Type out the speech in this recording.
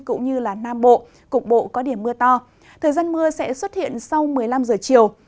cũng như nam bộ cục bộ có điểm mưa to thời gian mưa sẽ xuất hiện sau một mươi năm giờ chiều